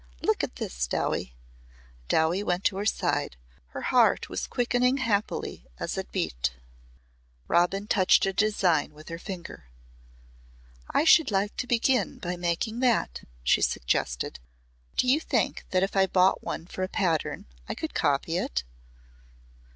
Look at this, Dowie." Dowie went to her side. Her heart was quickening happily as it beat. Robin touched a design with her finger. "I should like to begin by making that," she suggested. "Do you think that if I bought one for a pattern I could copy it?"